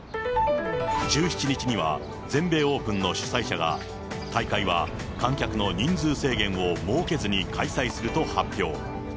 １７日には、全米オープンの主催者が、大会は観客の人数制限を設けずに開催すると発表。